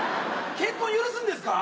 結婚許すんですか？